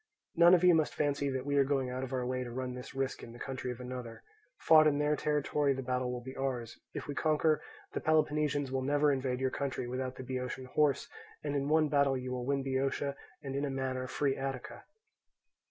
None of you must fancy that we are going out of our way to run this risk in the country of another. Fought in their territory the battle will be for ours: if we conquer, the Peloponnesians will never invade your country without the Boeotian horse, and in one battle you will win Boeotia and in a manner free Attica.